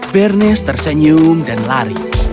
bernes tersenyum dan lari